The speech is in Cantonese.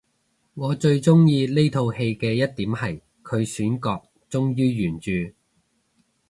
我最鍾意呢套戲嘅一點係佢選角忠於原著